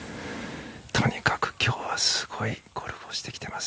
とにかく今日はすごいゴルフをしてきています。